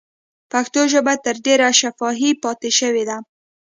پښتو ژبه تر ډېره شفاهي پاتې شوې ده.